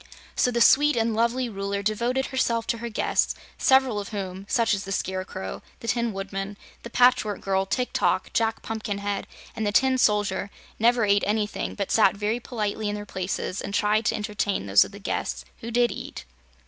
So the sweet and lovely Ruler devoted herself to her guests, several of whom, such as the Scarecrow, the Tin Woodman, the Patchwork Girl, Tik Tok, Jack Pumpkinhead and the Tin Soldier, never ate anything but sat very politely in their places and tried to entertain those of the guests who did eat.